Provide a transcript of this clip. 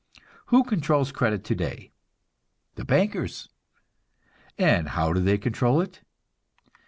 Who controls credit today? The bankers. And how do they control it?